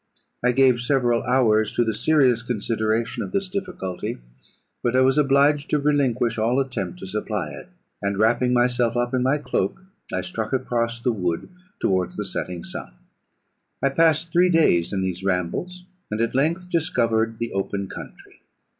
I gave several hours to the serious consideration of this difficulty; but I was obliged to relinquish all attempt to supply it; and, wrapping myself up in my cloak, I struck across the wood towards the setting sun. I passed three days in these rambles, and at length discovered the open country.